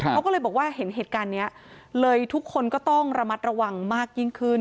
เขาก็เลยบอกว่าเห็นเหตุการณ์นี้เลยทุกคนก็ต้องระมัดระวังมากยิ่งขึ้น